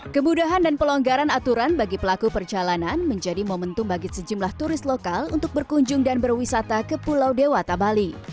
kemudahan dan pelonggaran aturan bagi pelaku perjalanan menjadi momentum bagi sejumlah turis lokal untuk berkunjung dan berwisata ke pulau dewata bali